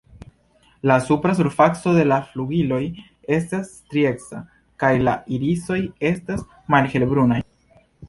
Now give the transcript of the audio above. La supra surfaco de la flugiloj estas strieca, kaj la irisoj estas malhelbrunaj.